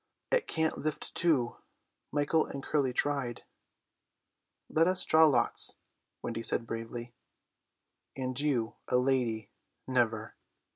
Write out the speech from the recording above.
"It can't lift two; Michael and Curly tried." "Let us draw lots," Wendy said bravely. "And you a lady; never."